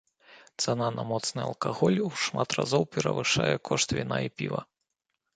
Цана на моцны алкаголь ў шмат разоў перавышае кошт віна і піва.